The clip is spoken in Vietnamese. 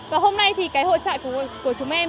và hôm nay thì cái hội trại của chúng em